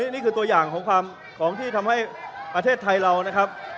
นี่คือตัวอย่างของที่ทำให้ประเทศไทยเรานะครับ